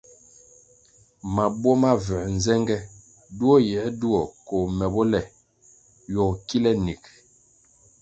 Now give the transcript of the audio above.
Mabuo ma vuē nzenge duo yir na duo koh me bo le ywogo kile nig.